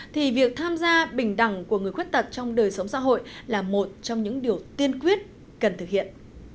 thì việc tham gia bình đẳng của người khuyết tật trong đời sống xã hội là một trong những điều tiên quyết cần thực hiện